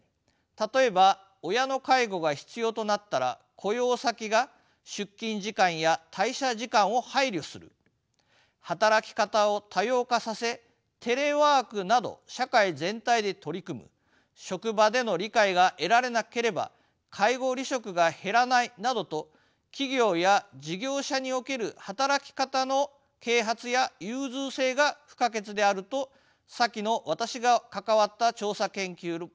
例えば親の介護が必要となったら雇用先が出勤時間や退社時間を配慮する働き方を多様化させテレワークなど社会全体で取り組む職場での理解が得られなければ介護離職が減らないなどと企業や事業所における働き方の啓発や融通性が不可欠であると先の私が関わった調査研究でも明らかになっています。